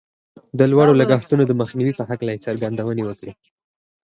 د لوړو لګښتونو د مخنيوي په هکله يې څرګندونې وکړې.